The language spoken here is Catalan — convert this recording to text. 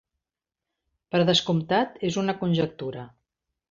Per descomptat, és una conjectura.